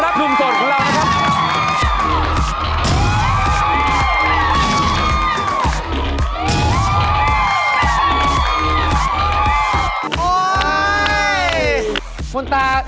มอเตอร์รักษ์ภูมิส่วนคุณล้าครับ